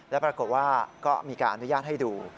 แล้วปรากฏว่าก็มีการอนุญาตให้ดู